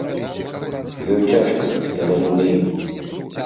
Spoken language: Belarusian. Ёй цяжка, я разумею.